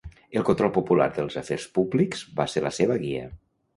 El control popular dels afers públics va ser la seva guia.